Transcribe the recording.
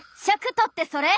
尺とってそれ？